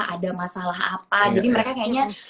ada masalah apa jadi mereka kayaknya